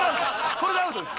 これでアウトです。